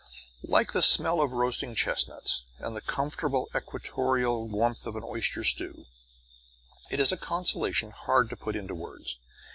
Like the smell of roasting chestnuts and the comfortable equatorial warmth of an oyster stew, it is a consolation hard to put into words.